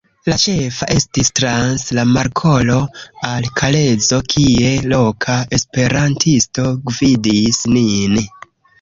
La ĉefa estis trans la Markolo al Kalezo, kie loka esperantisto gvidis nin.